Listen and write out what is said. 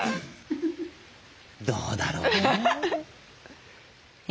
どうだろうな？